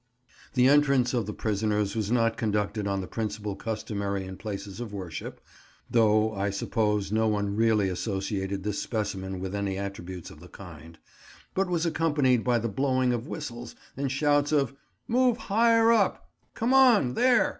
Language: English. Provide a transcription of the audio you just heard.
The entrance of the prisoners was not conducted on the principle customary in places of worship (though I suppose no one really associated this specimen with any attributes of the kind), but was accompanied by the blowing of whistles, and shouts of "Move higher up!" "Come on, there!"